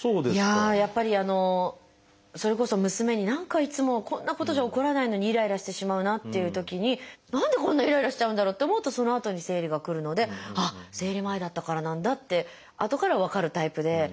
やっぱりそれこそ娘に何かいつもこんなことじゃ怒らないのにイライラしてしまうなっていうときに何でこんなイライラしちゃうんだろうって思うとそのあとに生理がくるのであっ生理前だったからなんだってあとから分かるタイプで。